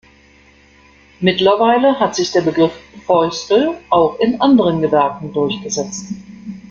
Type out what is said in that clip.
Mittlerweile hat sich der Begriff „Fäustel“ auch in anderen Gewerken durchgesetzt.